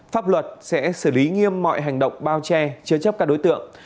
pháp luật sẽ xử lý nghiêm mọi hành động bao che chứa chấp các đối tượng